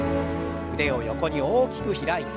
腕を横に大きく開いて。